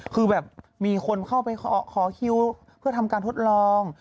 คือแบบมีคนเข้าไปขอคิวเพื่อทำการทดลอง